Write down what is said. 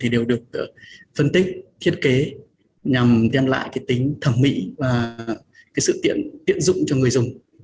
đều được phân tích thiết kế nhằm đem lại tính thẩm mỹ và sự tiện dụng cho người dùng